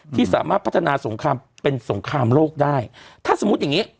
ที่สามารถพัฒนาสงครามเป็นสงครามโลกได้ถ้าสมมุติอย่างงี้